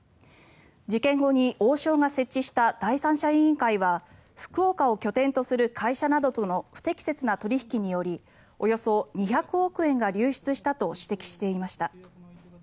事件後に王将が設置した第三者委員会は福岡を拠点とする会社などとの不適切な取引によりおよそ２００億円が流出したと指摘していました。